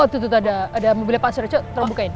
oh tuh tuh ada mobilnya pak suri cuk lo bukain